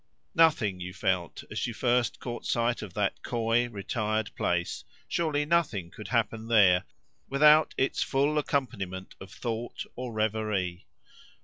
Nothing, you felt, as you first caught sight of that coy, retired place,—surely nothing could happen there, without its full accompaniment of thought or reverie.